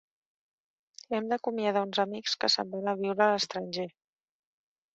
Hem d'acomiadar uns amics que se'n van a viure a l'estranger.